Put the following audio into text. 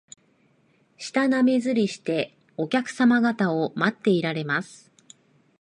舌なめずりして、お客さま方を待っていられます